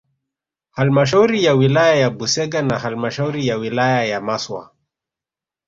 Halmashauri ya wilaya ya Busega na halmashauri ya wilaya ya Maswa